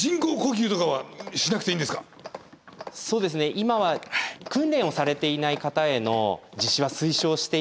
今は訓練をされていない方への実施は推奨していません。